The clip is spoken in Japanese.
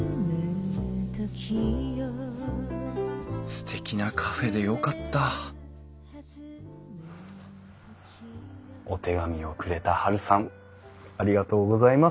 すてきなカフェでよかったお手紙をくれたはるさんありがとうございます。